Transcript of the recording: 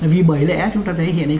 vì bởi lẽ chúng ta thấy hiện nay